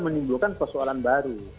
menimbulkan persoalan baru